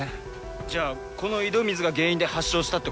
じゃあこの井戸水が原因で発症したってことか。